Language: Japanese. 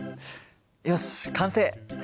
よし完成！